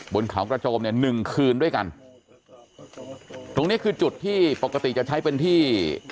บนเขากระโจมเนี่ยหนึ่งคืนด้วยกันตรงนี้คือจุดที่ปกติจะใช้เป็นที่